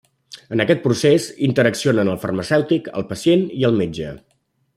En aquest procés interaccionen el farmacèutic, el pacient i el metge.